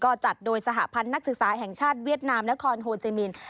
ก็จัดโดยสหพันธ์นักศึกษาแห่งชาติเวียดนามนครโฮเจมิน